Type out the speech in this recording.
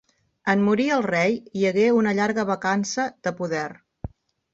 En morir el rei hi hagué una llarga vacança de poder.